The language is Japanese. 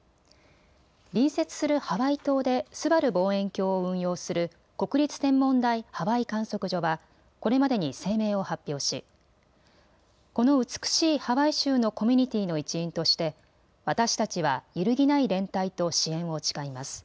隣接するハワイ島ですばる望遠鏡を運用する国立天文台ハワイ観測所はこれまでに声明を発表しこの美しいハワイ州のコミュニティーの一員として私たちは揺るぎない連帯と支援を誓います。